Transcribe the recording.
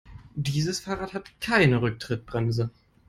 Dieses Fahrrad hat keine Rücktrittbremse.